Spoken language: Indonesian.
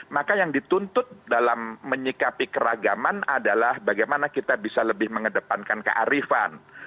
maka yang dituntut dalam menyikapi keragaman adalah bagaimana kita bisa lebih mengedepankan kearifan